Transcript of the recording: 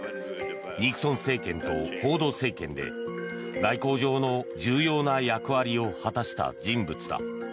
ニクソン政権とフォード政権で外交上の重要な役割を果たした人物だ。